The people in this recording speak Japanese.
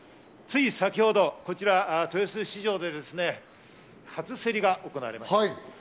つい先ほどこちら豊洲市場で初競りが行われました。